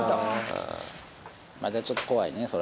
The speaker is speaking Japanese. まだちょっと怖いね